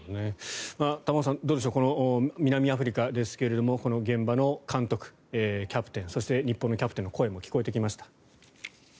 玉川さん、どうでしょう南アフリカですがこの現場の監督、キャプテンそして日本のキャプテンの声も聞こえてきました。